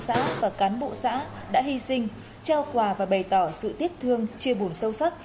xã và cán bộ xã đã hy sinh trao quà và bày tỏ sự tiếc thương chia buồn sâu sắc